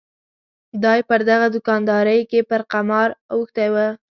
دای پر دغه دوکاندارۍ کې پر قمار اوښتی و.